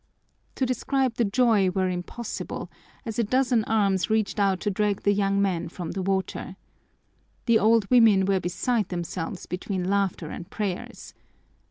To describe the joy were impossible, as a dozen arms reached out to drag the young men from the water. The old women were beside themselves between laughter and prayers.